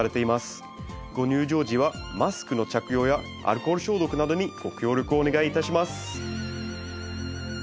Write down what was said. ご入場時はマスクの着用やアルコール消毒などにご協力をお願いいたします